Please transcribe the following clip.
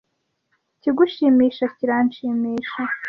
Ikigushimisha kiranshimisha.